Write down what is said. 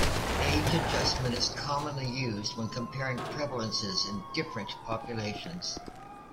Age adjustment is commonly used when comparing prevalences in different populations.